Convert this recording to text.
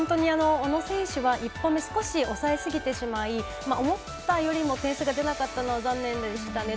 小野選手は１本目、少し抑えすぎてしまい思ったより点数が出なかったのは残念でした。